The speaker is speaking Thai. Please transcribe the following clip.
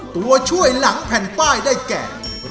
ตัวช่วยหลังแผ่นป้ายได้แก่